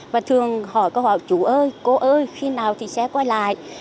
và thường hỏi câu hỏi chú ơi cô ơi khi nào thì xe quay lại